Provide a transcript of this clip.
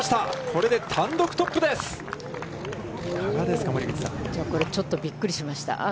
これ、ちょっとびっくりしました。